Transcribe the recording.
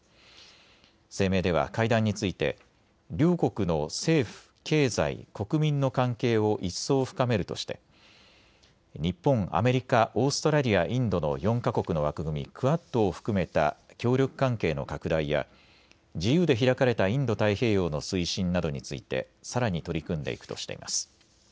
声明では会談について両国の政府、経済、国民の関係を一層深めるとして日本、アメリカ、オーストラリア、インドの４か国の枠組み、クアッドを含めた協力関係の拡大や自由で開かれたインド太平洋の推進などについてさらに取り組んでいくとしています。